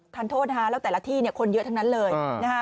๒๓ธันโทษแล้วแต่ละที่คนเยอะทั้งนั้นเลย